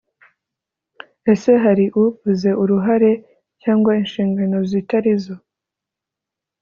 Ese hari uvuze uruhare cyangwa inshingano zitari zo?